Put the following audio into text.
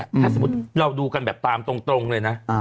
ถ้าสมมุติเราดูกันแบบตามตรงเลยนะ